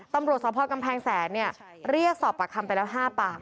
ตำรวจสพกำแพงแสนเรียกสอบปากคำไปแล้ว๕ปาก